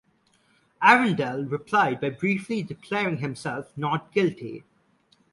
Arundell replied by briefly declaring himself not guilty.